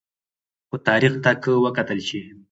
خو تاریخ ته که وکتل شي